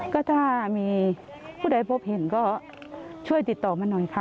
ก็ถ้ามีผู้ใดพบเห็นก็ช่วยติดต่อมาหน่อยค่ะ